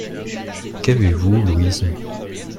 Qu’avez-vous, Louise ?